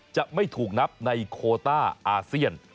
จะไม่ถูกนับในโคต้าอาเซียน